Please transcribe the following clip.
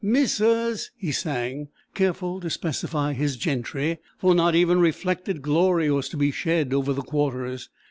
Missus!" he sang—careful to specify his gentry, for not even reflected glory was to be shed over the Quarters.